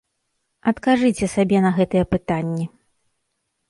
Адкажыце сабе на гэтыя пытанні.